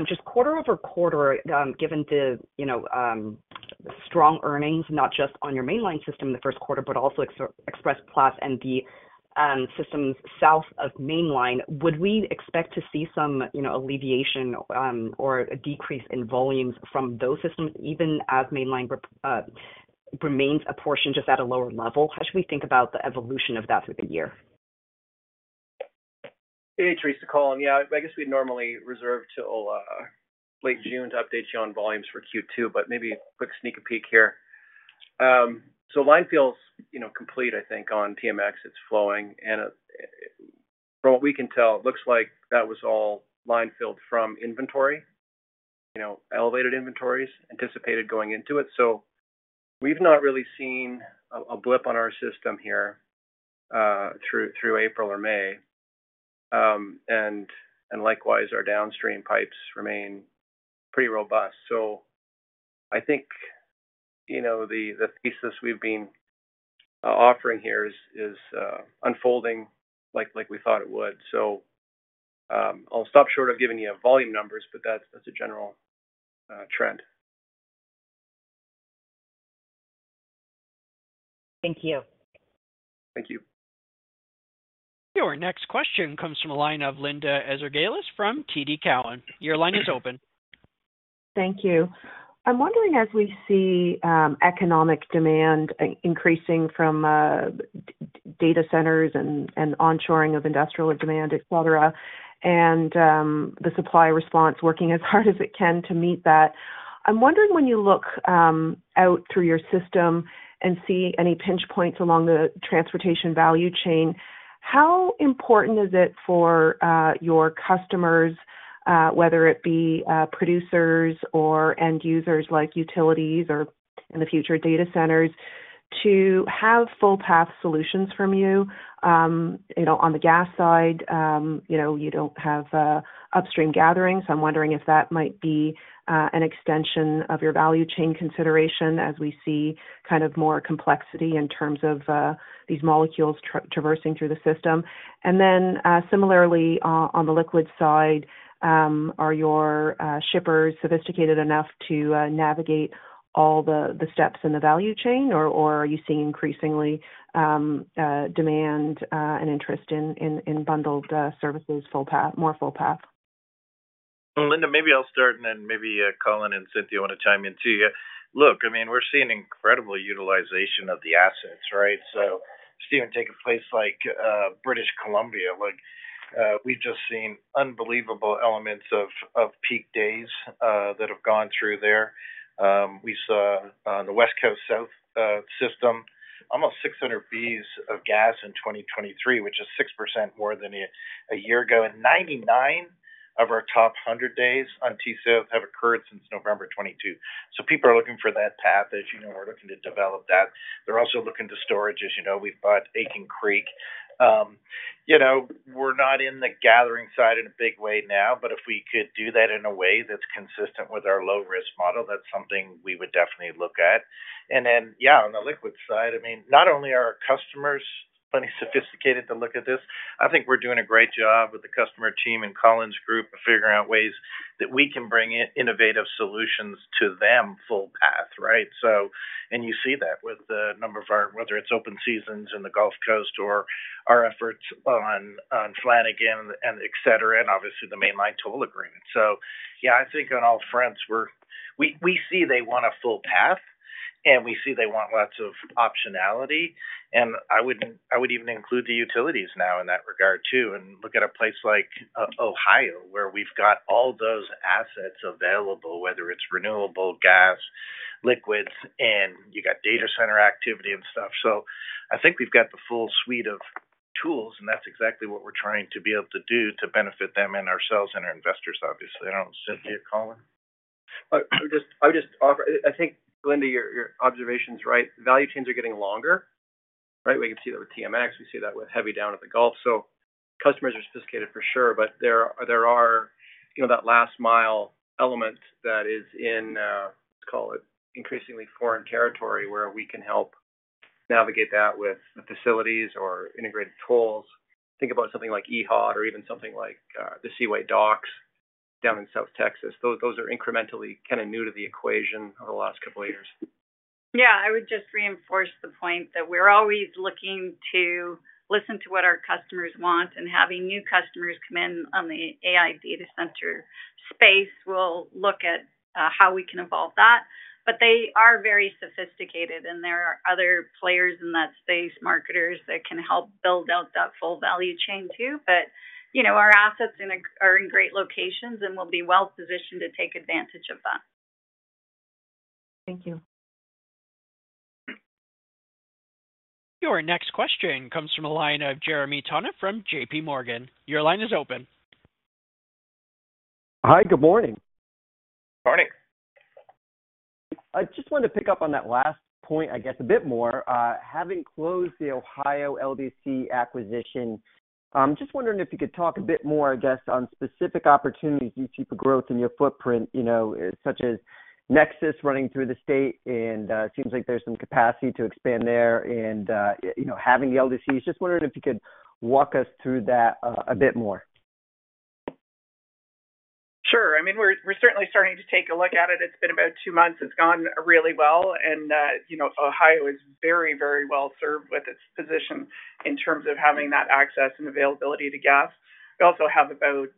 Just quarter-over-quarter, given the strong earnings, not just on your Mainline system in the first quarter, but also Express-Platte and the systems south of Mainline, would we expect to see some alleviation or a decrease in volumes from those systems, even as Mainline remains a portion just at a lower level? How should we think about the evolution of that through the year? Hey, Theresa Chen, Colin Gruending. Yeah, I guess we'd normally reserve to late June to update you on volumes for Q2, but maybe a quick sneak peek here. So line fill's complete, I think, on TMX. It's flowing. And from what we can tell, it looks like that was all line filled from inventory, elevated inventories anticipated going into it. So we've not really seen a blip on our system here through April or May. And likewise, our downstream pipes remain pretty robust. So I think the thesis we've been offering here is unfolding like we thought it would. So I'll stop short of giving you volume numbers, but that's a general trend. Thank you. Thank you. Your next question comes from the line of Linda Ezergailis from TD Cowen. Your line is open. Thank you. I'm wondering, as we see economic demand increasing from data centers and onshoring of industrial demand, etc., and the supply response working as hard as it can to meet that, I'm wondering, when you look out through your system and see any pinch points along the transportation value chain, how important is it for your customers, whether it be producers or end users like utilities or, in the future, data centers, to have full-path solutions from you? On the gas side, you don't have upstream gatherings. I'm wondering if that might be an extension of your value chain consideration as we see kind of more complexity in terms of these molecules traversing through the system. And then similarly, on the liquid side, are your shippers sophisticated enough to navigate all the steps in the value chain, or are you seeing increasingly demand and interest in bundled services, more full-path? Linda, maybe I'll start, and then maybe Colin and Cynthia want to chime in too. Look, I mean, we're seeing incredible utilization of the assets, right? So even take a place like British Columbia. We've just seen unbelievable elements of peak days that have gone through there. We saw on the Westcoast South system almost 600 Bcf of gas in 2023, which is 6% more than a year ago. And 99 of our top 100 days on T-South have occurred since November 2022. So people are looking for that path. As you know, we're looking to develop that. They're also looking to storage. As you know, we've bought Aitken Creek. We're not in the gathering side in a big way now, but if we could do that in a way that's consistent with our low-risk model, that's something we would definitely look at. And then, yeah, on the liquid side, I mean, not only are our customers plenty sophisticated to look at this, I think we're doing a great job with the customer team and Colin's group of figuring out ways that we can bring innovative solutions to them full path, right? And you see that with the number of our, whether it's open seasons in the Gulf Coast or our efforts on Flanagan, etc., and obviously, the mainline toll agreement. So yeah, I think on all fronts, we see they want a full path, and we see they want lots of optionality. And I would even include the utilities now in that regard too and look at a place like Ohio where we've got all those assets available, whether it's renewable, gas, liquids, and you got data center activity and stuff. So I think we've got the full suite of tools, and that's exactly what we're trying to be able to do to benefit them and ourselves and our investors, obviously. I don't know, Cynthia, Colin? I would just offer, I think, Linda, your observation's right. The value chains are getting longer, right? We can see that with TMX. We see that with heavy down at the Gulf. So customers are sophisticated for sure, but there are that last-mile element that is in, let's call it, increasingly foreign territory where we can help navigate that with facilities or integrated tolls. Think about something like EHOT or even something like the Seaway docks down in South Texas. Those are incrementally kind of new to the equation over the last couple of years. Yeah, I would just reinforce the point that we're always looking to listen to what our customers want, and having new customers come in on the AI data center space will look at how we can evolve that. But they are very sophisticated, and there are other players in that space, marketers that can help build out that full value chain too. But our assets are in great locations and will be well positioned to take advantage of that. Thank you. Your next question comes from the line of Jeremy Tonet from JP Morgan. Your line is open. Hi. Good morning. Good morning. I just wanted to pick up on that last point, I guess, a bit more. Having closed the Ohio LDC acquisition, I'm just wondering if you could talk a bit more, I guess, on specific opportunities you see for growth in your footprint, such as NEXUS running through the state, and it seems like there's some capacity to expand there and having the LDCs. Just wondering if you could walk us through that a bit more. Sure. I mean, we're certainly starting to take a look at it. It's been about two months. It's gone really well. And Ohio is very, very well served with its position in terms of having that access and availability to gas. We also have about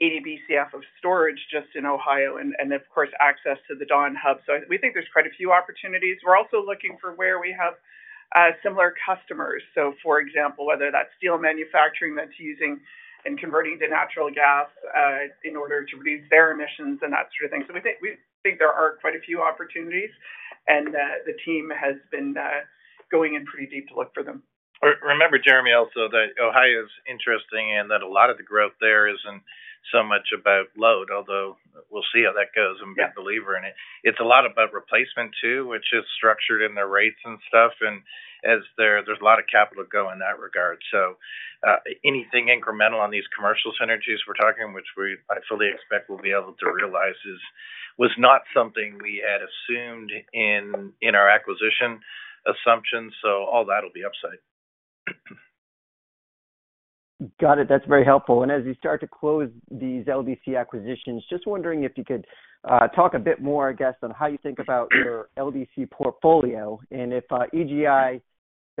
80 BCF of storage just in Ohio and, of course, access to the Dawn Hub. So we think there's quite a few opportunities. We're also looking for where we have similar customers. So for example, whether that's steel manufacturing that's using and converting to natural gas in order to reduce their emissions and that sort of thing. So we think there are quite a few opportunities, and the team has been going in pretty deep to look for them. Remember, Jeremy, also that Ohio's interesting and that a lot of the growth there isn't so much about load, although we'll see how that goes. I'm a big believer in it. It's a lot about replacement too, which is structured in their rates and stuff. And there's a lot of capital going in that regard. So anything incremental on these commercial synergies we're talking, which we fully expect we'll be able to realize, was not something we had assumed in our acquisition assumptions. So all that'll be upside. Got it. That's very helpful. As you start to close these LDC acquisitions, just wondering if you could talk a bit more, I guess, on how you think about your LDC portfolio and if EGI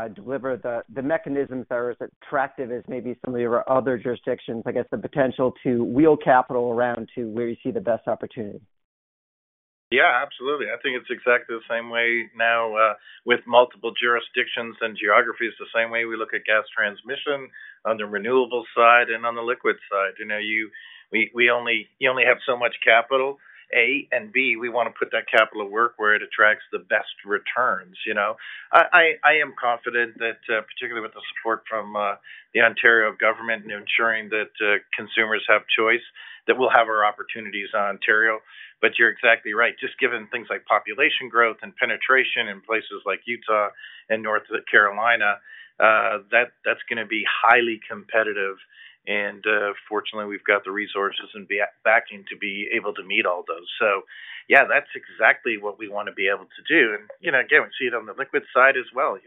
doesn't deliver the mechanisms that are as attractive as maybe some of your other jurisdictions, I guess, the potential to wheel capital around to where you see the best opportunity. Yeah, absolutely. I think it's exactly the same way now with multiple jurisdictions and geographies, the same way we look at gas transmission on the renewable side and on the liquid side. You only have so much capital, A, and B, we want to put that capital to work where it attracts the best returns. I am confident that, particularly with the support from the Ontario government and ensuring that consumers have choice, that we'll have our opportunities in Ontario. But you're exactly right. Just given things like population growth and penetration in places like Utah and North Carolina, that's going to be highly competitive. And fortunately, we've got the resources and backing to be able to meet all those. So yeah, that's exactly what we want to be able to do. And again, we see it on the liquid side as well.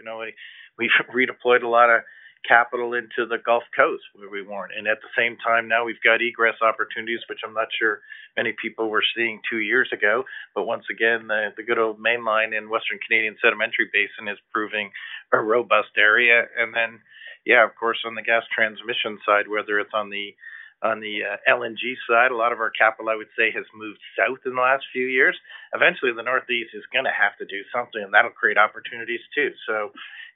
We've redeployed a lot of capital into the Gulf Coast where we weren't. And at the same time, now we've got egress opportunities, which I'm not sure many people were seeing two years ago. But once again, the good old Mainline in Western Canadian Sedimentary Basin is proving a robust area. And then, yeah, of course, on the gas transmission side, whether it's on the LNG side, a lot of our capital, I would say, has moved south in the last few years. Eventually, the Northeast is going to have to do something, and that'll create opportunities too.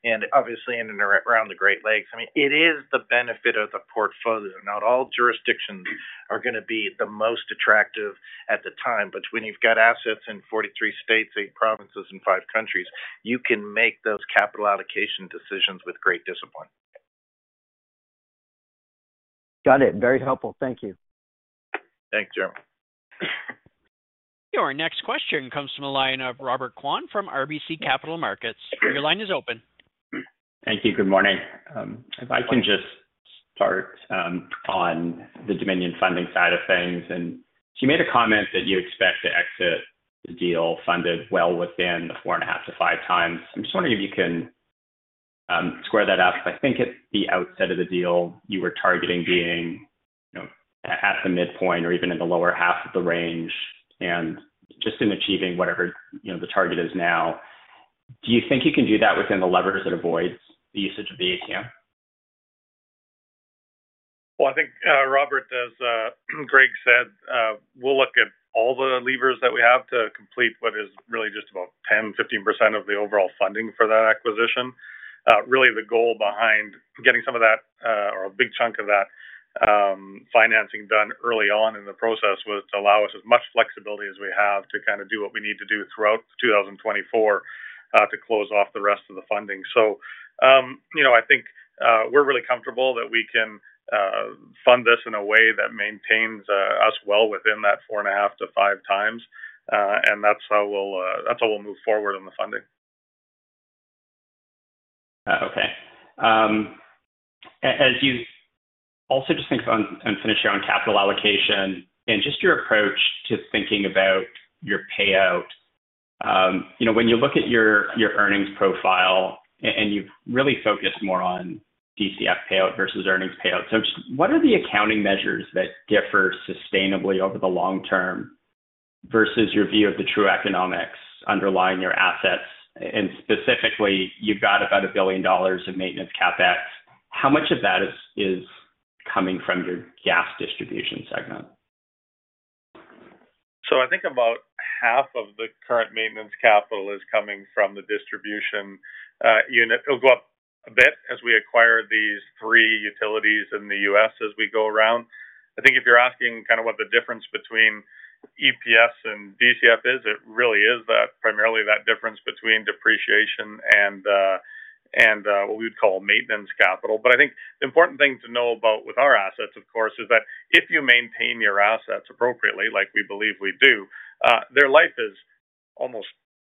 And obviously, in and around the Great Lakes, I mean, it is the benefit of the portfolio. Not all jurisdictions are going to be the most attractive at the time. But when you've got assets in 43 states, eight provinces, and five countries, you can make those capital allocation decisions with great discipline. Got it. Very helpful. Thank you. Thanks, Jeremy. Your next question comes from the line of Robert Kwan from RBC Capital Markets. Your line is open. Thank you. Good morning. If I can just start on the Dominion funding side of things. You made a comment that you expect to exit the deal funded well within the 4.5-5 times. I'm just wondering if you can square that up. I think at the outset of the deal, you were targeting being at the midpoint or even in the lower half of the range and just in achieving whatever the target is now. Do you think you can do that within the levers that avoid the usage of the ATM? Well, I think, Robert, as Greg said, we'll look at all the levers that we have to complete what is really just about 10%-15% of the overall funding for that acquisition. Really, the goal behind getting some of that or a big chunk of that financing done early on in the process was to allow us as much flexibility as we have to kind of do what we need to do throughout 2024 to close off the rest of the funding. So I think we're really comfortable that we can fund this in a way that maintains us well within that 4.5x-5x. And that's how we'll move forward on the funding. Okay. As you also just think and finish your own capital allocation and just your approach to thinking about your payout, when you look at your earnings profile and you've really focused more on DCF payout versus earnings payout, so what are the accounting measures that differ sustainably over the long term versus your view of the true economics underlying your assets? And specifically, you've got about 1 billion dollars of maintenance CapEx. How much of that is coming from your gas distribution segment? I think about half of the current maintenance capital is coming from the distribution unit. It'll go up a bit as we acquire these three utilities in the U.S. as we go around. I think if you're asking kind of what the difference between EPS and DCF is, it really is primarily that difference between depreciation and what we would call maintenance capital. But I think the important thing to know about with our assets, of course, is that if you maintain your assets appropriately, like we believe we do, their life is almost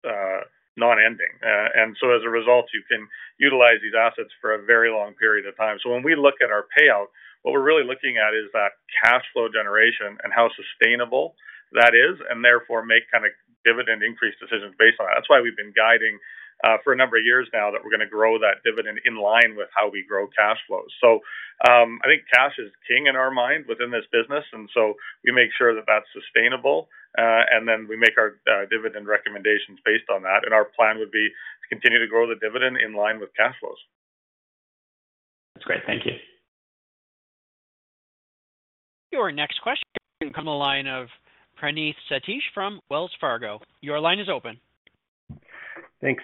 non-ending. And so as a result, you can utilize these assets for a very long period of time. So when we look at our payout, what we're really looking at is that cash flow generation and how sustainable that is and therefore make kind of dividend increase decisions based on that. That's why we've been guiding for a number of years now that we're going to grow that dividend in line with how we grow cash flows. So I think cash is king in our mind within this business. And so we make sure that that's sustainable, and then we make our dividend recommendations based on that. And our plan would be to continue to grow the dividend in line with cash flows. That's great. Thank you. Your next question comes from the line of Praneeth Satish from Wells Fargo. Your line is open. Thanks.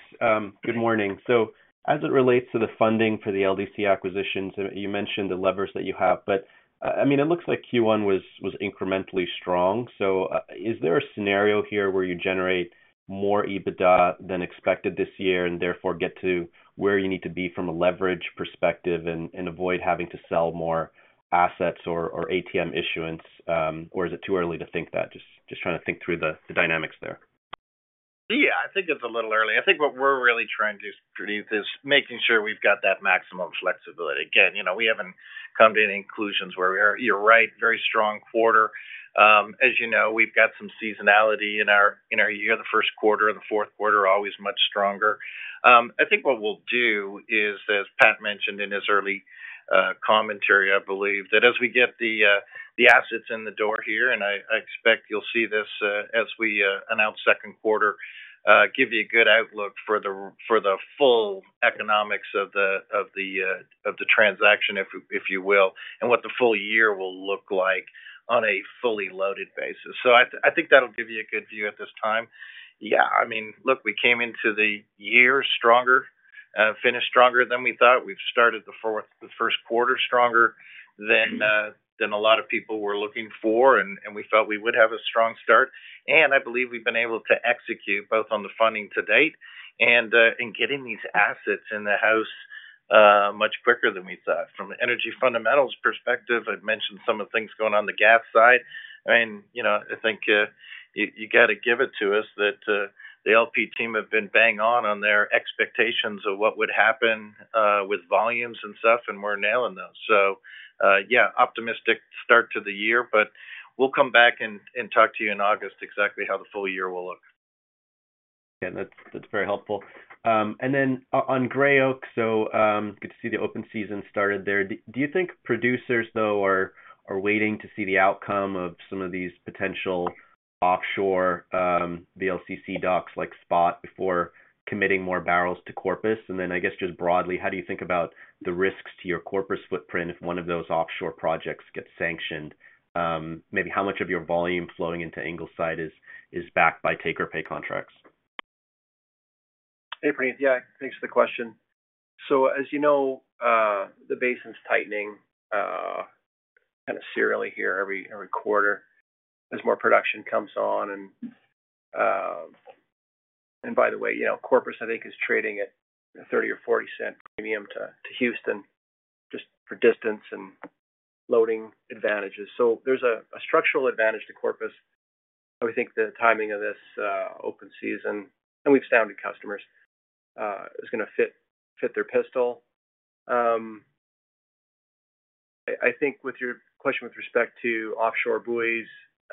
Good morning. So as it relates to the funding for the LDC acquisitions, you mentioned the levers that you have. But I mean, it looks like Q1 was incrementally strong. So is there a scenario here where you generate more EBITDA than expected this year and therefore get to where you need to be from a leverage perspective and avoid having to sell more assets or ATM issuance? Or is it too early to think that? Just trying to think through the dynamics there. Yeah, I think it's a little early. I think what we're really trying to do, Praneeth, is making sure we've got that maximum flexibility. Again, we haven't come to any conclusions where we are. You're right, very strong quarter. As you know, we've got some seasonality in our year. The first quarter and the fourth quarter are always much stronger. I think what we'll do is, as Pat mentioned in his early commentary, I believe that as we get the assets in the door here, and I expect you'll see this as we announce second quarter, give you a good outlook for the full economics of the transaction, if you will, and what the full year will look like on a fully loaded basis. So I think that'll give you a good view at this time. Yeah, I mean, look, we came into the year stronger, finished stronger than we thought. We've started the first quarter stronger than a lot of people were looking for, and we felt we would have a strong start. And I believe we've been able to execute both on the funding to date and getting these assets in the house much quicker than we thought. From an energy fundamentals perspective, I'd mentioned some of the things going on the gas side. I mean, I think you got to give it to us that the LP team have been bang on on their expectations of what would happen with volumes and stuff, and we're nailing those. So yeah, optimistic start to the year. But we'll come back and talk to you in August exactly how the full year will look. Yeah, that's very helpful. And then on Gray Oak, so good to see the open season started there. Do you think producers, though, are waiting to see the outcome of some of these potential offshore VLCC docks like SPOT before committing more barrels to Corpus? And then I guess just broadly, how do you think about the risks to your Corpus footprint if one of those offshore projects gets sanctioned? Maybe how much of your volume flowing into Ingleside is backed by take-or-pay contracts? Hey, Praneeth. Yeah, thanks for the question. So as you know, the basin's tightening kind of seriously here every quarter as more production comes on. And by the way, Corpus, I think, is trading at a $0.30-$0.40 premium to Houston just for distance and loading advantages. So there's a structural advantage to Corpus. I think the timing of this open season and we've sounded customers is going to fit their schedule. I think with your question with respect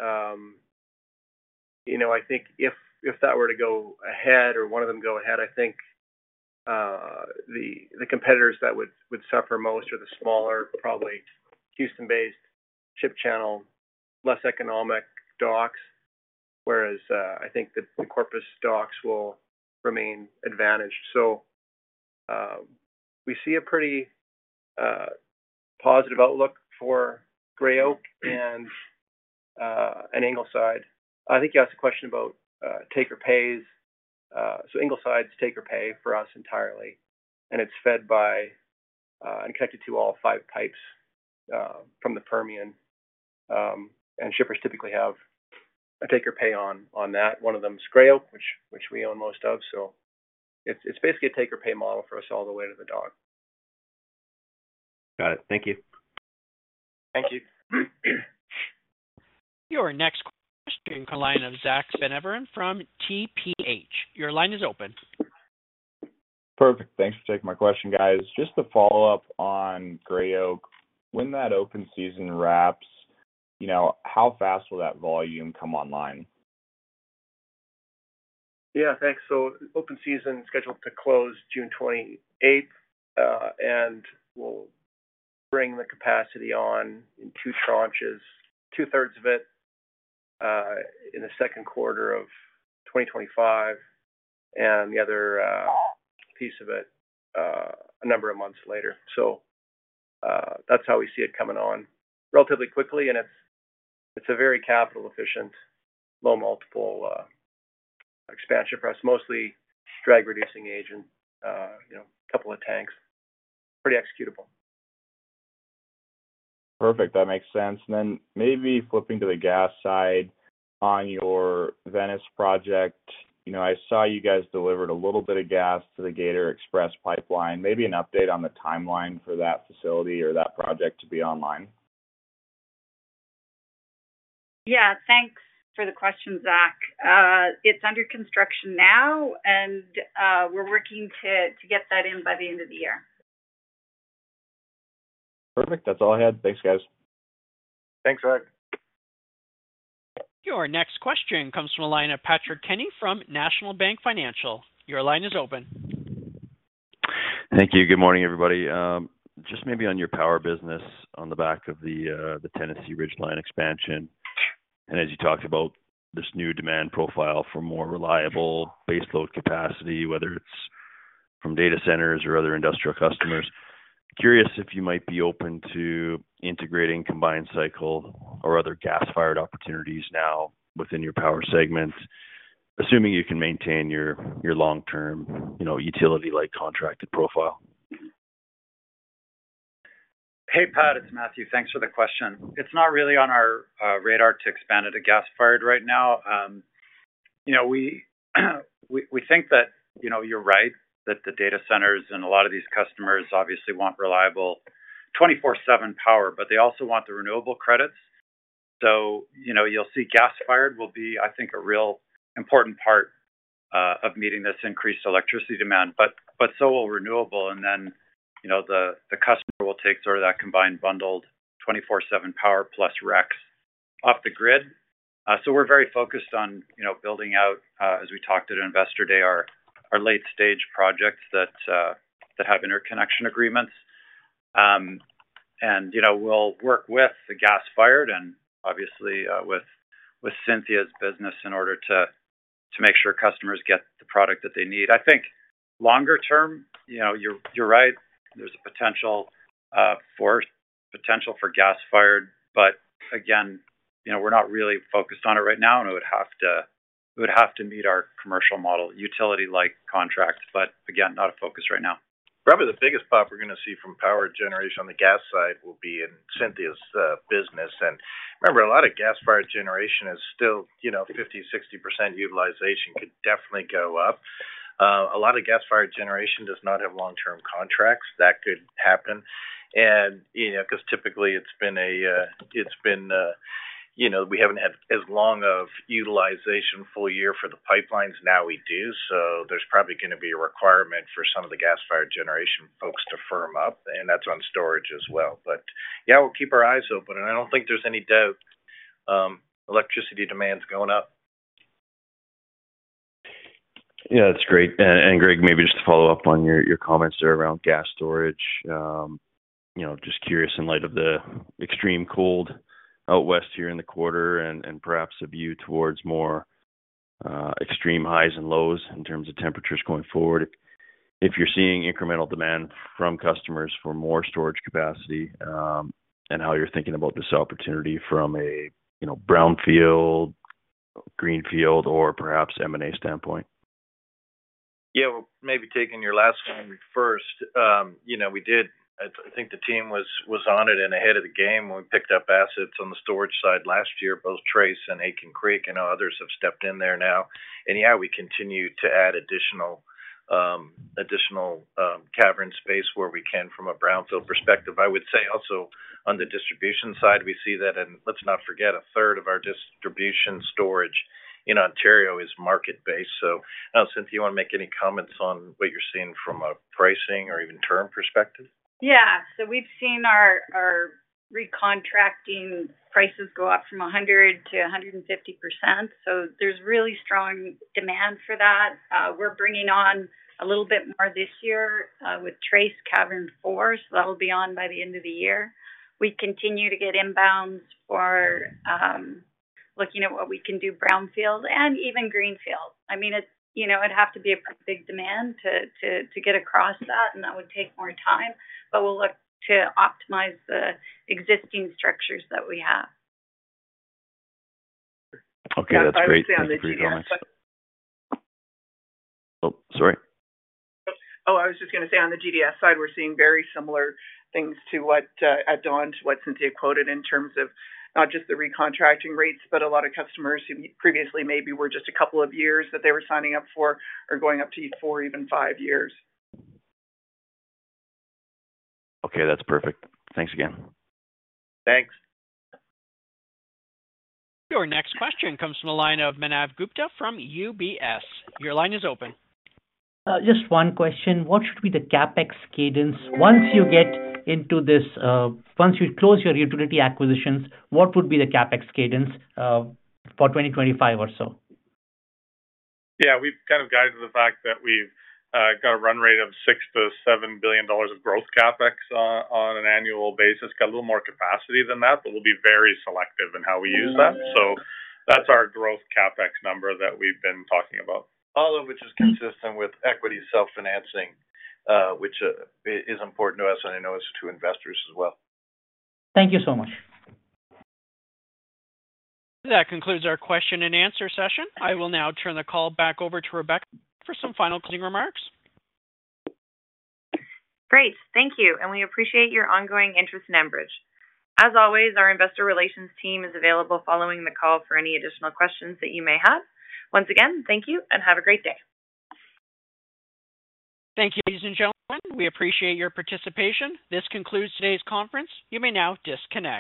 to offshore buoys, I think if that were to go ahead or one of them go ahead, I think the competitors that would suffer most are the smaller, probably Houston-based ship channel, less economic docks, whereas I think the Corpus docks will remain advantaged. So we see a pretty positive outlook for Gray Oak and Ingleside. I think you asked a question about take-or-pays. So Ingleside's take-or-pay for us entirely, and it's fed by and connected to all five pipes from the Permian. And shippers typically have a take-or-pay on that. One of them's Gray Oak, which we own most of. So it's basically a take-or-pay model for us all the way to the dock. Got it. Thank you. Thank you. Your next question. Line of Zack Van Everen from TPH. Your line is open. Perfect. Thanks for taking my question, guys. Just to follow up on Gray Oak, when that open season wraps, how fast will that volume come online? Yeah, thanks. So open season is scheduled to close June 28th, and we'll bring the capacity on in two tranches, 2/3 of it in the second quarter of 2025 and the other piece of it a number of months later. So that's how we see it coming on relatively quickly. And it's a very capital-efficient, low-multiple expansion for us, mostly drag-reducing agent, a couple of tanks, pretty executable. Perfect. That makes sense. And then maybe flipping to the gas side on your Venice project, I saw you guys delivered a little bit of gas to the Gator Express Pipeline. Maybe an update on the timeline for that facility or that project to be online? Yeah, thanks for the question, Zack. It's under construction now, and we're working to get that in by the end of the year. Perfect. That's all I had. Thanks, guys. Thanks, Zack. Your next question comes from the line of Patrick Kenney from National Bank Financial. Your line is open. Thank you. Good morning, everybody. Just maybe on your power business on the back of the Tennessee Ridgeline Expansion. As you talked about this new demand profile for more reliable baseload capacity, whether it's from data centers or other industrial customers, curious if you might be open to integrating combined cycle or other gas-fired opportunities now within your power segment, assuming you can maintain your long-term utility-like contracted profile. Hey, Pat, it's Matthew. Thanks for the question. It's not really on our radar to expand into gas-fired right now. We think that you're right that the data centers and a lot of these customers obviously want reliable 24/7 power, but they also want the renewable credits. So you'll see gas-fired will be, I think, a real important part of meeting this increased electricity demand. But so will renewable. And then the customer will take sort of that combined bundled 24/7 power plus RECs off the grid. So we're very focused on building out, as we talked at investor day, our late-stage projects that have interconnection agreements. And we'll work with the gas-fired and obviously with Cynthia's business in order to make sure customers get the product that they need. I think longer term, you're right, there's a potential for gas-fired. But again, we're not really focused on it right now, and it would have to meet our commercial model, utility-like contracts, but again, not a focus right now. Probably the biggest pop we're going to see from power generation on the gas side will be in Cynthia's business. And remember, a lot of gas-fired generation is still 50%-60% utilization, which could definitely go up. A lot of gas-fired generation does not have long-term contracts. That could happen because typically, it's been we haven't had as long of utilization full year for the pipelines. Now we do. So there's probably going to be a requirement for some of the gas-fired generation folks to firm up. And that's on storage as well. But yeah, we'll keep our eyes open. And I don't think there's any doubt electricity demand's going up. Yeah, that's great. Greg, maybe just to follow up on your comments there around gas storage, just curious in light of the extreme cold out west here in the quarter and perhaps a view towards more extreme highs and lows in terms of temperatures going forward, if you're seeing incremental demand from customers for more storage capacity and how you're thinking about this opportunity from a brownfield, greenfield, or perhaps M&A standpoint? Yeah, maybe taking your last one first. We did. I think the team was on it and ahead of the game when we picked up assets on the storage side last year, both Tres and Aitken Creek. I know others have stepped in there now. And yeah, we continue to add additional cavern space where we can from a brownfield perspective. I would say also on the distribution side, we see that. And let's not forget, a third of our distribution storage in Ontario is market-based. So I don't know, Cynthia, you want to make any comments on what you're seeing from a pricing or even term perspective? Yeah. So we've seen our recontracting prices go up from 100%-150%. So there's really strong demand for that. We're bringing on a little bit more this year with Tres Cavern 4, so that'll be on by the end of the year. We continue to get inbounds for looking at what we can do brownfield and even greenfield. I mean, it'd have to be a pretty big demand to get across that, and that would take more time. But we'll look to optimize the existing structures that we have. Okay, that's great. Thank you for your comments. Oh, sorry. Oh, I was just going to say on the GDS side, we're seeing very similar things to what at Dawn to what Cynthia quoted in terms of not just the recontracting rates, but a lot of customers who previously maybe were just a couple of years that they were signing up for are going up to four, even five years. Okay, that's perfect. Thanks again. Thanks. Your next question comes from the line of Manav Gupta from UBS. Your line is open. Just one question. What should be the CapEx cadence once you get into this once you close your utility acquisitions, what would be the CapEx cadence for 2025 or so? Yeah, we've kind of gotten to the fact that we've got a run rate of 6-7 billion dollars of growth CapEx on an annual basis. Got a little more capacity than that, but we'll be very selective in how we use that. So that's our growth CapEx number that we've been talking about. All of which is consistent with equity self-financing, which is important to us, and I know it's to investors as well. Thank you so much. That concludes our question-and-answer session. I will now turn the call back over to Rebecca for some final closing remarks. Great. Thank you. We appreciate your ongoing interest in Enbridge. As always, our investor relations team is available following the call for any additional questions that you may have. Once again, thank you, and have a great day. Thank you, ladies and gentlemen. We appreciate your participation. This concludes today's conference. You may now disconnect.